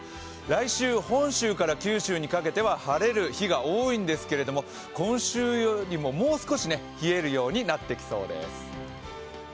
来週、本州から九州にかけては晴れる日が多いんですけれども、今週よりも、もう少し冷えるようになってきそうです。